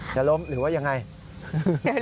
จะล้มหรือว่ายังไง